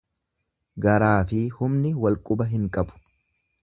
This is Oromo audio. Garaafi humni wal quba hin qabu.